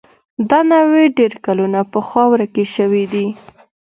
دا نوعې ډېر کلونه پخوا ورکې شوې دي.